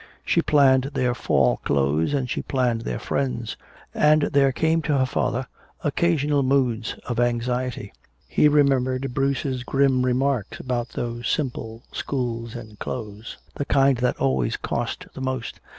She planned their fall clothes and she planned their friends. And there came to her father occasional moods of anxiety. He remembered Bruce's grim remarks about those "simple" schools and clothes, the kind that always cost the most.